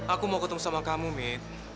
aku mau ketemu sama kamu nih